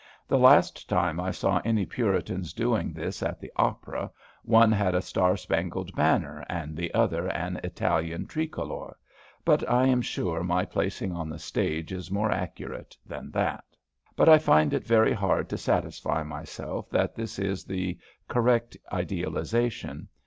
The last time I saw any Puritans doing this at the opera, one had a star spangled banner and the other an Italian tricolor, but I am sure my placing on the stage is more accurate than that. But I find it very hard to satisfy myself that this is the correct idealization.